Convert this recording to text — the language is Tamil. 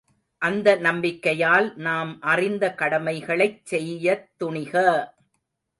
அந்த நம்பிக்கையால் நாம் அறிந்த கடமைகளைச் செய்யத் துணிக!